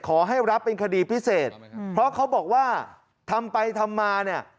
ขอให้รับเป็นคดีพิเศษเพราะเขาบอกว่าทำไปทำมาเนี่ย